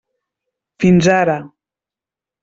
Fins ara.